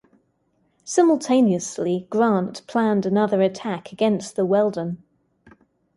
Simultaneously, Grant planned another attack against the Weldon.